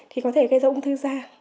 thì có thể gây ra ung thư da